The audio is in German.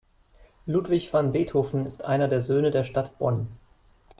Ludwig van Beethoven ist einer der Söhne der Stadt Bonn.